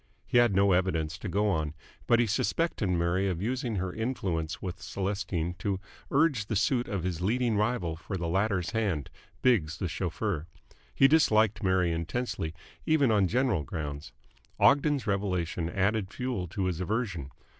He had no evidence to go on, but he suspected Mary of using her influence with Celestine to urge the suit of his leading rival for the latter's hand, Biggs the chauffeur. He disliked Mary intensely, even on general grounds. Ogden's revelation added fuel to his aversion.